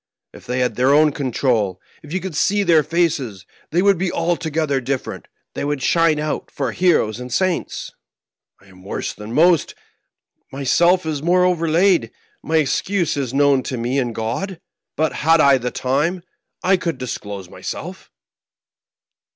If they had their own control — ^if you could see .their faces, they would be altogether different, they would shine out for heroes and saints ! I am worse than most ; myseW is more overlaid; my excuse is known to me and God. But had I the time, I could disclose myself."